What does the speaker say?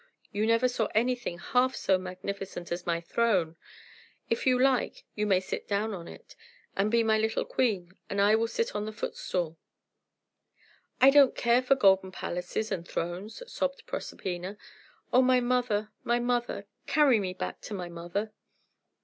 You never saw anything half so magnificent as my throne. If you like, you may sit down on it, and be my little queen, and I will sit on the footstool." "I don't care for golden palaces and thrones," sobbed Proserpina. "Oh, my mother, my mother! Carry me back to my mother!"